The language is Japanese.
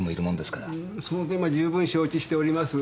んーその点は十分承知しております。